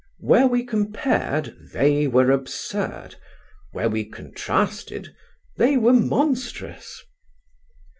Where we compared, they were absurd; where we contrasted, they were monstrous.